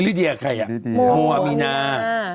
นิดเดียใครอ่ะโมอเลีนา